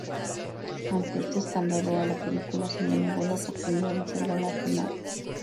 Ante este escándalo, a la película se le negó la oportunidad de ser galardonada.